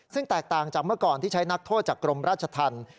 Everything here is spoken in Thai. ซึ่งแตกต่างจากเมื่อก่อนที่ใช้นักโทษจากกรมราชธรรม